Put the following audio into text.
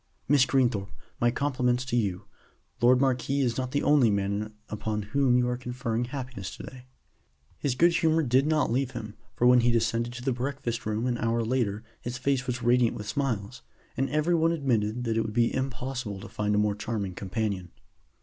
"Miss Greenthorpe, my compliments to you. My lord marquis is not the only man upon whom you are conferring happiness to day." His good humor did not leave him, for when he descended to the breakfast room an hour later his face was radiant with smiles, and every one admitted that it would be impossible to meet a more charming companion.